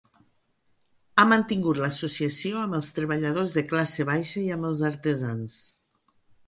Ha mantingut l'associació amb els treballadors de classe baixa i amb els artesans.